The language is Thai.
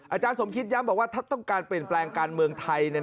อาจารย์สมคิดย้ำบอกว่าถ้าต้องการเปลี่ยนแปลงการเมืองไทย